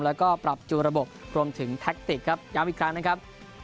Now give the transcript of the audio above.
แล้วก็ปรับจูระบบรวมถึงแท็กติกครับย้ำอีกครั้งนะครับ